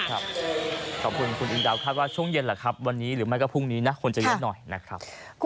ขอบคุณคุณอินดาวคาดว่าช่วงเย็นแหละครับวันนี้หรือไม่ก็พรุ่งนี้นะคนจะเยอะหน่อยนะครับ